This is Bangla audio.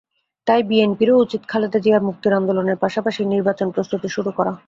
তাই বিএনপিরও উচিত খালেদা জিয়ার মুক্তির আন্দোলনের পাশাপাশি নির্বাচন প্রস্তুতি শুরু করা।